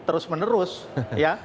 terus menerus ya